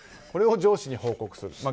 これを上司に報告する。